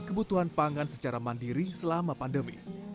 kebutuhan pangan secara mandiri selama pandemi